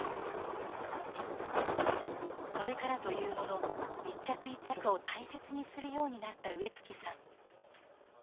それからというもの一着一着を大切にするようになった植月さん。